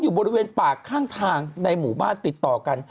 อยู่บริเวณปากข้างทางในหมู่บ้านติดต่อกัน